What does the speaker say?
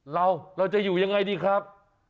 เราจะอยู่ยังไงดีครับ